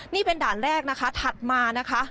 นี่เป็นด่านแรกนะคะถัดมานะคะ